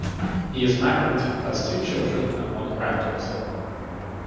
He is married, has two children and one grand daughter.